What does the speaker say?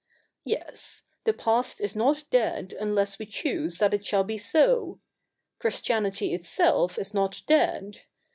Yes ; the past is not dead unless we choose that it shall be so. Christianity itself is not dead.